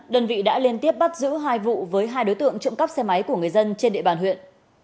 đơn vị đã liên tiếp bắt giữ hai vụ với hai đối tượng trộm cắp xe máy của người dân trên địa bàn huyện